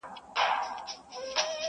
خدای بې اجر راکړي بې ګنا یم ښه پوهېږمه,